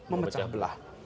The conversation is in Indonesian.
justru memecah belah